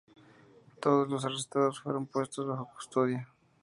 Todos los arrestados fueron puestos bajo custodia.